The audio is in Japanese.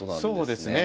そうですね。